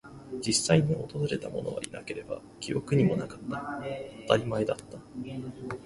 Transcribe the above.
実際に訪れたものはいなければ、記憶にもなかった。当たり前だった。